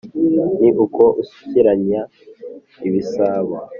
ni uko asukiranya ibisabo